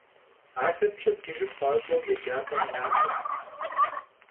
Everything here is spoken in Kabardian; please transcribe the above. Axer pşedcıjç'e p'aş'eu yêcap'em mak'ue.